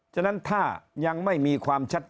ฉะนั้นถ้ายังไม่มีความชัด